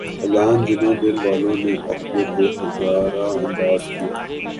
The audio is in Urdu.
اعلان جنوں دل والوں نے اب کے بہ ہزار انداز کیا